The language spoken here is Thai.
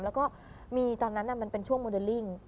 แล้วก็มีตอนนั้นมันเป็นช่วงโมเดลลิ่ง